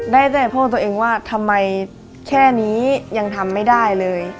ได้แต่โทษตัวเองว่าทำไมแค่นี้ยังทำไม่ได้เลย